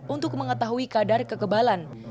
untuk mengetahui kadar kekebalan